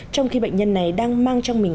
trong khi bệnh nhân này đang mang trong mình